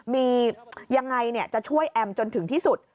มียังไงจะช่วยแอมจนถึงที่สุด